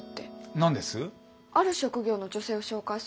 何です？